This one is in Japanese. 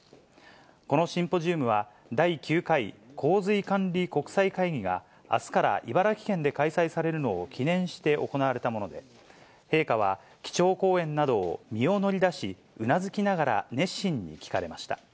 このシンポジウムは、第９回洪水管理国際会議が、あすから茨城県で開催されるのを記念して行われたもので、陛下は基調講演などを身を乗り出し、うなずきながら熱心に聞かれました。